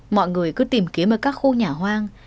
mọi người cứ tìm kiếm ở các khu nhà hoang